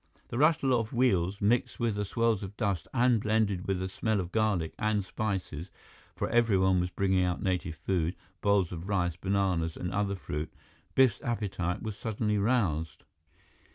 The rattle of wheels mixed with swirls of dust and blended with the smell of garlic and spices, for everyone was bringing out native food, bowls of rice, bananas, and other fruit. Biff's appetite was suddenly roused.